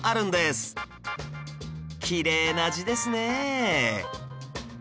きれいな字ですねえ